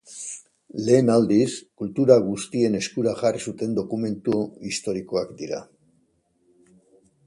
Lehen aldiz, kultura guztien eskura jarri zuten dokumentu historikoak dira.